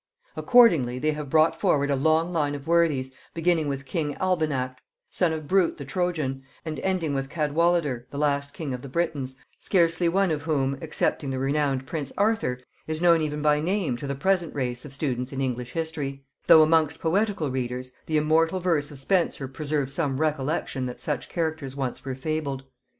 Accordingly they have brought forward a long line of worthies, beginning with king Albanact, son of Brute the Trojan, and ending with Cadwallader the last king of the Britons, scarcely one of whom, excepting the renowned prince Arthur, is known even by name to the present race of students in English history; though amongst poetical readers, the immortal verse of Spenser preserves some recollection that such characters once were fabled.